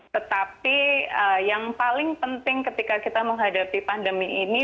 tetapi yang paling penting ketika kita menghadapi pandemi ini